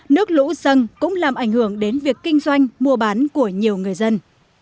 nước lũ dâng cũng làm ảnh hưởng đến việc kinh doanh mua bán của nhiều người dân